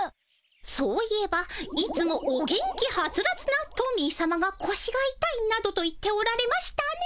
そういえばいつもお元気ハツラツなトミーさまがこしがいたいなどと言っておられましたね。